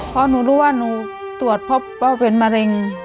พ่อหนูรู้ว่าหนูตรวจพ่อเป็นมะเร็ง